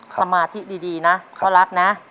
สมาธิดีนะพ่อรักนะ